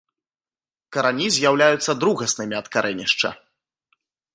Карані з'яўляюцца другаснымі ад карэнішча.